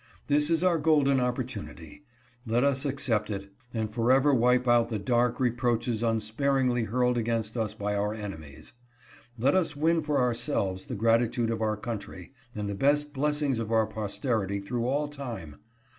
This is our golden opportunity. Let us accept it, and forever wipe out the dark reproaches unspar ingly hurled against us by our enemies. Let us win for ourselves the gratitude of our country, and the best blessings of our posterity through all time.